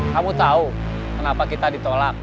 kamu tahu kenapa kita ditolak